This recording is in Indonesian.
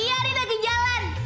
iya nih lagi jalan